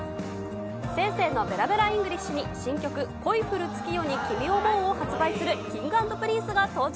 星星のベラベラＥＮＧＬＩＳＨに新曲、恋降る月夜に君想ふを発売する、Ｋｉｎｇ＆Ｐｒｉｎｃｅが登場。